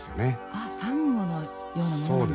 ああサンゴのようなものなんでしょうか。